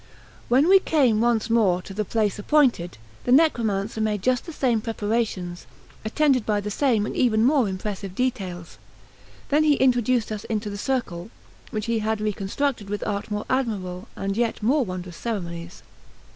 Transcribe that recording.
When we came once more to the place appointed, the necromancer made just the same preparations, attended by the same and even more impressive details. Then he introduced us into the circle, which he had reconstructed with art more admirable and yet more wondrous ceremonies.